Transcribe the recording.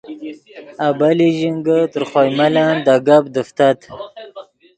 آبیلی ژینگے تر خوئے ملن دے گپ دیفتت